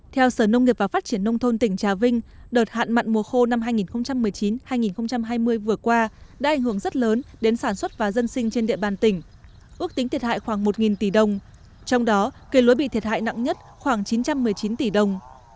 theo sở nông nghiệp và phát triển nông thôn tỉnh trà vinh đợt hạn mặn mùa khô năm hai nghìn một mươi chín hai nghìn hai mươi vừa qua đã ảnh hưởng rất lớn đến sản xuất và dân sinh trên địa bàn tỉnh ước tính thiệt hại khoảng một tỷ đồng trong đó cây lúa bị thiệt hại nặng nhất khoảng chín trăm một mươi chín tỷ đồng